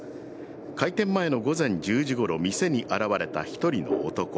開店前の午前１０時ごろ、店に現れた１人の男。